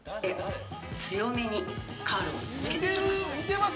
強めにカールをつけていきます。